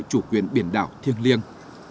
chủ quyền biển đảo thiêng liêng